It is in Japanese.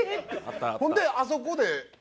ほんであそこでなあ？